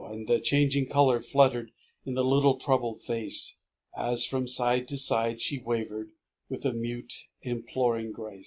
And the changing color fluttered In the little troubled face. As from side to side she wavered With a mute, imploring grace.